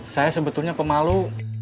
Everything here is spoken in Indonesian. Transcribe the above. saya sebetulnya pemalu